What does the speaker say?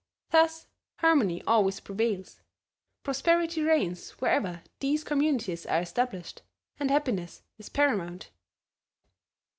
Thus harmony always prevails; prosperity reigns wherever these Communities are established, and happiness is paramount.